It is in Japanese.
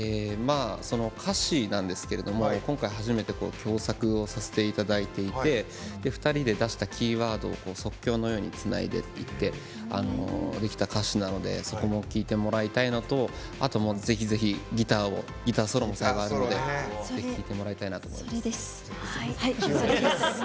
歌詞なんですけれども今回、初めて共作をさせていただいて２人で出したキーワードを即興のようにつないでいってできた歌詞なのでそこも聴いてもらいたいのとあと、ぜひギターソロもありますのでぜひ聴いてもらいたいなと思います。